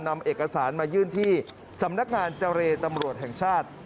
นำเอกสารมายื่นที่สำนักงานเจรตำรวจแห่งชาติ